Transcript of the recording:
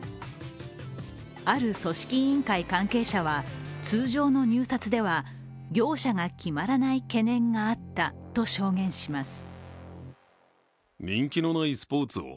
ある組織委員会関係者は、通常の入札では業者が決まらない懸念があったと証言します。